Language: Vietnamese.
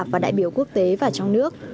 và đại biểu quốc tế và trong nước